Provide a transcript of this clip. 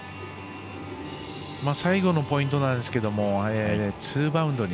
最後のポイントなんですがツーバウンドに